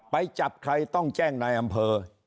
ไปจับใครต้องแจ้งนายอำเภอ